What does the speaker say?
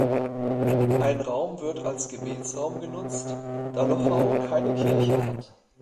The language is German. Ein Raum wird als Gebetsraum genutzt, da Lochau keine Kirche hat.